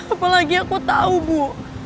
apalagi aku tau bu